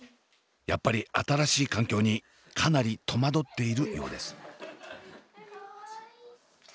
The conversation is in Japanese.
やっぱり新しい環境にかなり戸惑っているようです。